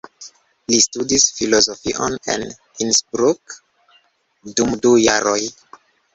Li studis filozofion en Innsbruck dum du jaroj.